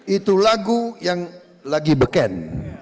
itu lagu yang lagi beken